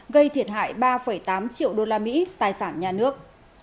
gây thiệt hại ba tám triệu usd tài sản nhà nước